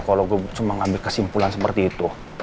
kalau gue cuma ngambil kesimpulan seperti itu